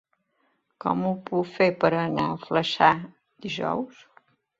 Com ho puc fer per anar a Flaçà dijous?